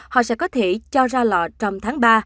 họ sẽ có thể cho ra lò trong tháng ba